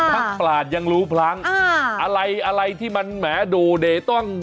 ทั้งปลาดยังรู้พลังอะไรที่มันแหม่ดูเด้ตั้้อง